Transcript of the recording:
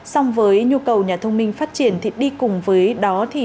xong với nhu cầu nhà thông minh phát triển thì đi cùng với đó